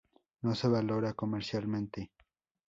No se valora comercialmente.